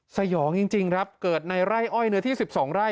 สยองจริงครับเกิดในไร่อ้อยเนื้อที่๑๒ไร่